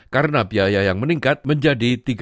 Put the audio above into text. karena biaya yang meningkat menjadi